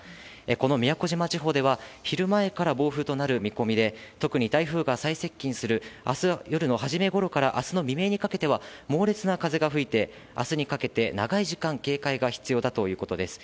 この宮古島地方では昼前から暴風となる見込みで、特に台風が最接近するあす夜の初め頃からあすの未明にかけては猛烈な風が吹いて、あすにかけて長い時間警戒が必要だということです。